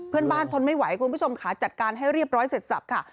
เพื่อนบ้านทนไม่ไหวคุณผู้ชมค่ะจัดการให้เรียบร้อยเสร็จสรรพค่ะ